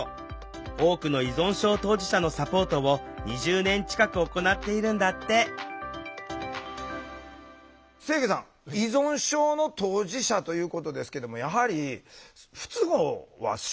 多くの依存症当事者のサポートを２０年近く行っているんだって清家さん依存症の当事者ということですけどもやはり不都合は生じたりしてるんですか？